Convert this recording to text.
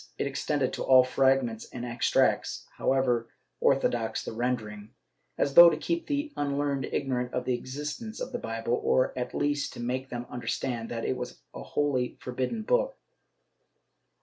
It extended to all fragments and extracts, however ortho dox the rendering, as though to keep the unlearned ignorant of the existence of the Bible, or at least to make them understand that it was a wholly forbidden book.